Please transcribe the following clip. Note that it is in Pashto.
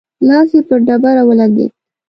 لاس يې پر ډبره ولګېد.